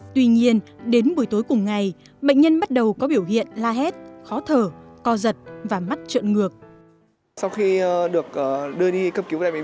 tuy nhiên đến buổi tối cùng ngày bệnh nhân bắt đầu có biểu hiện la hét khó thở co giật và mắt trượn ngược